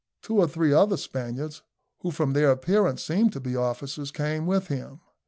Two or three other Spaniards, who from their appearance seemed to be officers, came with him.